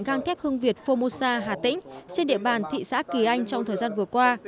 găng thép hương việt phongmosa hà tĩnh trên địa bàn thị xã kỳ anh trong thời gian vừa qua